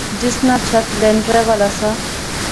جس ناں چھت لینٹرے والا سا